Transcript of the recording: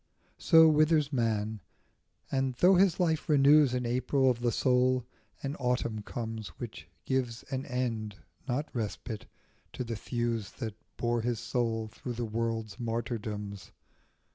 So withers man, and though his life renews In Aprils of the soul, an autumn comes Which gives an end, not respite, to the thews That bore his soul through the world's martyrdoms.